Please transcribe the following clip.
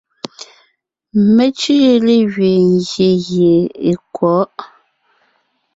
Mé cʉ́ʼʉ légẅiin ngyè gie è kwɔ̌ʼ.